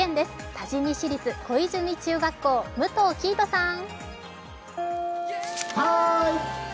多治見市立小泉中学校、武藤希弦さん。